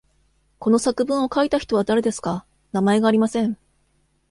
この作文を書いた人は誰ですか。名前がありません。